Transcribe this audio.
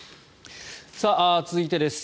続いてです。